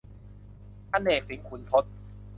อเนก สิงขุนทด